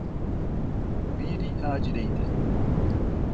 Vire à direita.